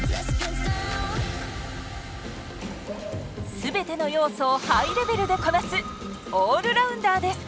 全ての要素をハイレベルでこなすオールラウンダーです。